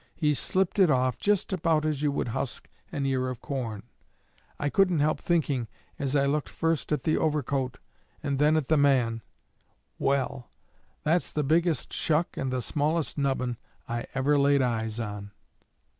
He slipped it off just about as you would husk an ear of corn. I couldn't help thinking, as I looked first at the overcoat and then at the man, 'Well, that's the biggest shuck and the smallest nubbin I ever laid eyes on.'"